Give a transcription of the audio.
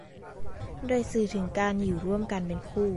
โดยสื่อถึงการอยู่ร่วมกันเป็นคู่